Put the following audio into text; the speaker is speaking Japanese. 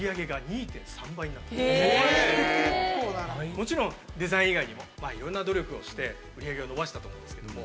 もちろんデザイン以外にもいろんな努力をして売り上げを伸ばしたと思うんですけれども。